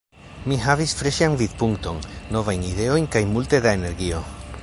Mi havis freŝan vidpunkton, novajn ideojn kaj multe da energio.